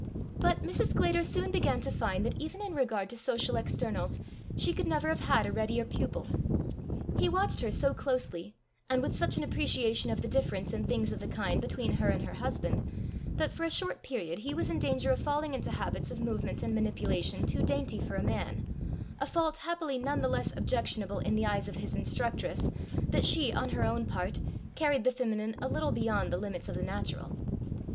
But Mrs. Sclater soon began to find that even in regard to social externals, she could never have had a readier pupil. He watched her so closely, and with such an appreciation of the difference in things of the kind between her and her husband, that for a short period he was in danger of falling into habits of movement and manipulation too dainty for a man, a fault happily none the less objectionable in the eyes of his instructress, that she, on her own part, carried the feminine a little beyond the limits of the natural.